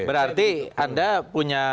berarti anda punya